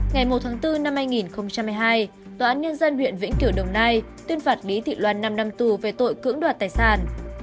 ngày một tháng bốn năm hai nghìn một mươi hai tòa án nhân dân huyện vĩnh kiểu đồng nai tuyên phạt lý thị loan năm năm tù về tội cưỡng đoạt tài sản